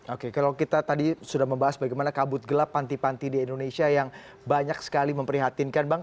oke kalau kita tadi sudah membahas bagaimana kabut gelap panti panti di indonesia yang banyak sekali memprihatinkan bang